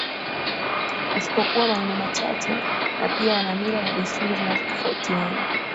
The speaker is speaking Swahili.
isipokuwa maneno machache na pia yana mila na desturi zinazotofautiana